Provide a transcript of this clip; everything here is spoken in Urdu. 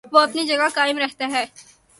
وہ اپنی جگہ قائم رہتا ہے۔